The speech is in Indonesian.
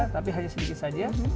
tapi hanya sedikit saja